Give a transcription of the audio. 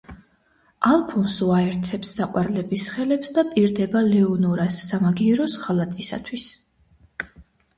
ალფონსო აერთებს საყვარლების ხელებს და პირდება ლეონორას სამაგიეროს ღალატისთვის.